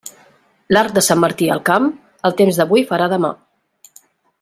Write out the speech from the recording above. L'arc de Sant Martí al camp, el temps d'avui farà demà.